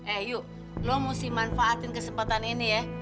eh yuk lo mesti manfaatin kesempatan ini ya